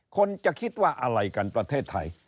คนจะคิดว่าอะไรกันประเทศไทย